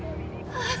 ああ！